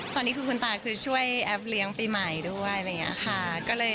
ตอนนี้คุณตาคือช่วยแอ๊บเลี้ยงปีใหม่ด้วยฮะ